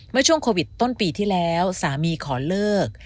เมื่อช่วงโควิดต้นปีที่แล้วสามีขอเลิก